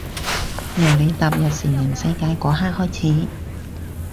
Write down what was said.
由你踏入成人世界嗰刻開始